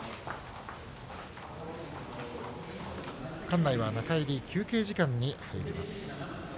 館内は中入り休憩時間に入ります。